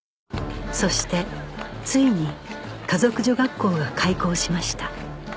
そしてついに華族女学校が開校しました